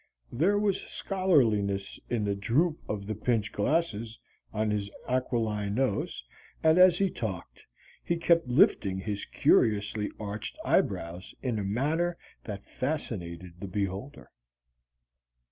There was scholarliness in the droop of the pinch glasses on his aquiline nose and as he talked he kept lifting his curiously arched eyebrows in a manner that fascinated the beholder.